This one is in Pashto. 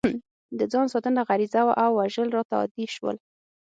د ځان ساتنه غریزه وه او وژل راته عادي شول